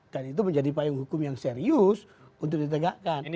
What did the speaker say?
dan itu menjadi payung hukum yang serius untuk ditegakkan